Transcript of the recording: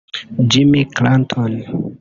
Jimmy Clanton